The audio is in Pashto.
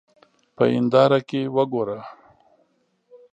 په هېنداره کې وګوره.